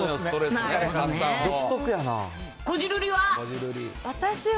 こじるりは？